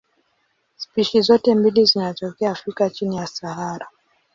Spishi zote mbili zinatokea Afrika chini ya Sahara.